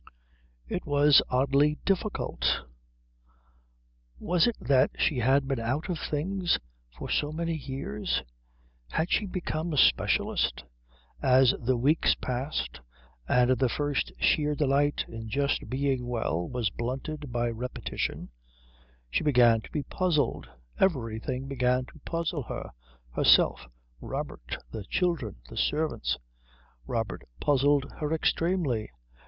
It was oddly difficult. Was it that she had been out of things for so many years? Had she then become a specialist? As the weeks passed and the first sheer delight in just being well was blunted by repetition, she began to be puzzled. Everything began to puzzle her herself, Robert, the children, the servants. Robert puzzled her extremely.